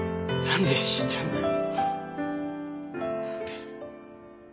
何で死んじゃうんだよ！